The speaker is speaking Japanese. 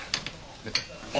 あ。